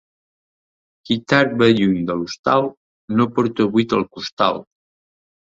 Qui tard va lluny de l'hostal no porta buit el costal.